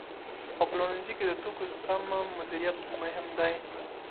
په پلورنځي کې د توکو سمه مدیریت مهم دی.